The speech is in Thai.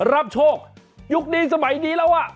รับโชคยุคนี้สมัยนี้แล้วอ่ะ